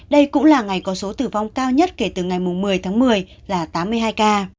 đây cũng là ngày có số tử vong cao nhất kể từ ngày một mươi tháng một mươi là tám mươi hai ca